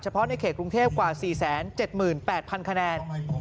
เพราะในเขตกรุงเทพกว่า๔๗๘๐๐คะแนน